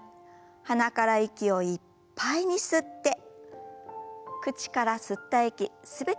鼻から息をいっぱいに吸って口から吸った息全て吐き出しましょう。